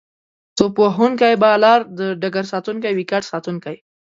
توپ وهونکی، بالر، ډګرساتونکی، ويکټ ساتونکی